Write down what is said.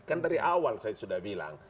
kan dari awal saya sudah bilang